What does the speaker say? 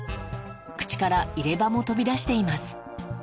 口から入れ歯も飛び出しています